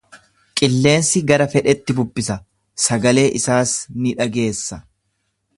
Qilleensi gara fedhetti bubbisa, sagalee isaas ni dhageessa.